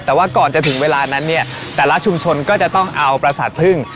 แต่ว่าก่อนจะถึงเวลานั้นเนี่ยแต่ละชุมชนก็จะต้องเอาประสาทพึ่ง